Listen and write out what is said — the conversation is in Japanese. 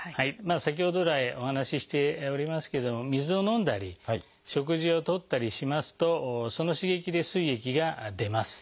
先ほど来お話ししておりますけれども水を飲んだり食事をとったりしますとその刺激ですい液が出ます。